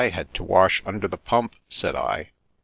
had to wash under the pump," said I.